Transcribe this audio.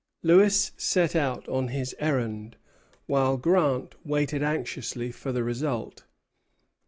Lewis set out on his errand, while Grant waited anxiously for the result.